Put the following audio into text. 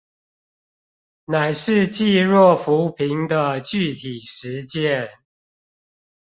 乃是濟弱扶貧的具體實踐